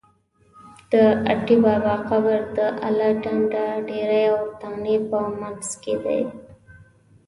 د اټی بابا قبر د اله ډنډ ډېری او تانې په منځ کې دی.